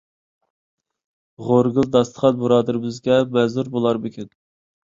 غورىگىل داستىخان بۇرادىرىمىزگە مەزۇر بولارمىكىن؟